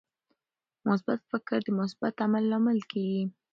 مثبت فکر د مثبت عمل لامل کیږي.